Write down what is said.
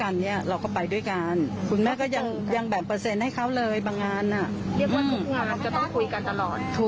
เรียกว่าทุกงานจะต้องคุยกันตลอด